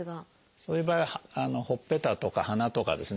そういう場合はほっぺたとか鼻とかですね